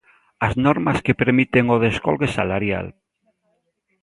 As normas que permiten o descolgue salarial.